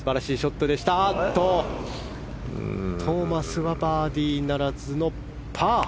トーマスはバーディーならずのパー。